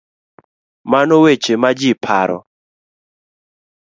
Mana weche ma ji paro.